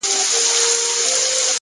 هره هڅه یو اغېز پرېږدي!